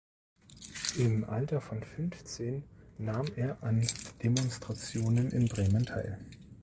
Im Alter von fünfzehn nahm er an Demonstrationen in Bremen teil.